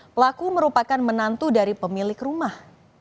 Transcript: pelaku merupakan menantu dari pemilik rumah